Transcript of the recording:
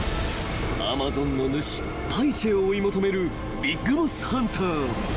［アマゾンの主パイチェを追い求めるビッグボスハンター］